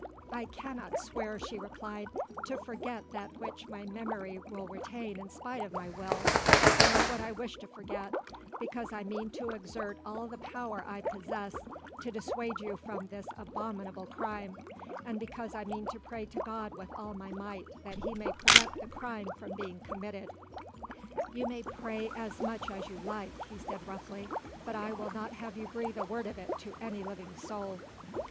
"I cannot swear," she replied, "to forget that which my memory will retain in spite of my will: nor would I wish to forget, because I mean to exert all the power I possess to dissuade you from this abominable crime, and because I mean to pray to God with all my might that He may prevent the crime from being committed." "You may pray as much as you like," he said roughly, "but I'll not have you breathe a word of it to any living soul."